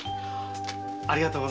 ありがとう。